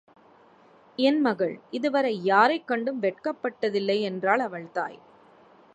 என் மகள் இதுவரை யாரைக் கண்டும் வெட்கப்பட்டதில்லை என்றாள் அவள்தாய்.